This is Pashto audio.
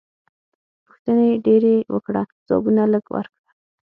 پوښتنې ډېرې وکړه ځوابونه لږ ورکړه.